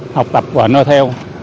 học tập và nhận được thông tin